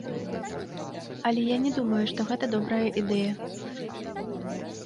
Але я не думаю, што гэта добрая ідэя.